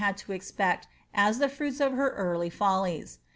had to expect as the fruits of her early follies.